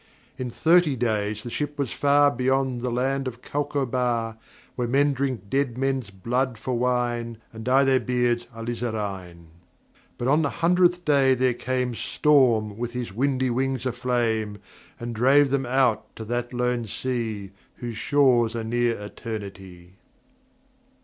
In thirty days the ship was far Beyond the land of Calcobar, Where men drink Dead Men's Blood for wine, And dye their beards alizarine. But on the hundredth day there came Storm with his windy wings aflame, And drave them out to that Lone Sea Whose shores are near Eternity.